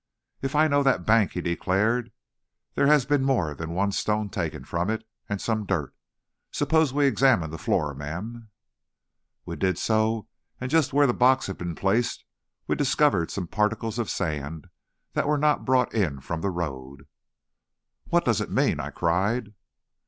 "If I know that bank," he declared, "there has been more than one stone taken from it, and some dirt. Suppose we examine the floor, ma'am." We did so, and just where the box had been placed we discovered some particles of sand that were not brought in from the road. "What does it mean?" I cried.